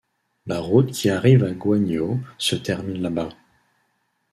La route qui arrive à Guagno se termine là-bas.